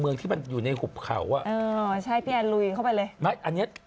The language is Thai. เมืองที่มันอยู่ในหุบเขาอ่ะเออใช่พี่แอนลุยเข้าไปเลยไม่อันเนี้ย